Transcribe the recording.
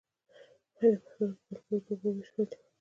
آیا د پښتنو په کلتور کې د اوبو ویش خپل اصول نلري؟